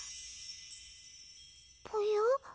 ぽよ？